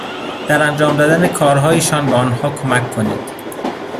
در انجام دادن کارهایشان به آنها کمک کنید.